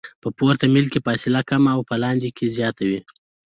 په پورته میل کې فاصله کمه او په لاندې کې زیاته وي